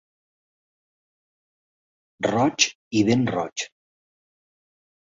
Roig i ben roig.